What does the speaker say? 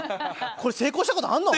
これ成功したことあるの？